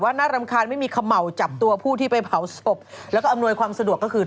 ถ้ามุดเมนยังไม่พร้อมพอมีห้องเย็นให้หมด